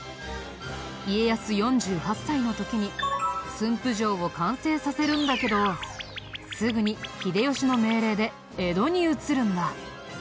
家康４８歳の時に駿府城を完成させるんだけどすぐに秀吉の命令で江戸に移るんだ。